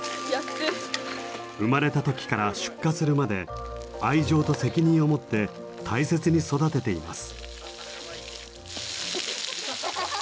生まれた時から出荷するまで愛情と責任を持って大切に育てています。